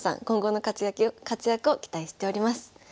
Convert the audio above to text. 今後の活躍を期待しております。